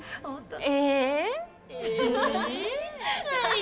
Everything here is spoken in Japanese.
え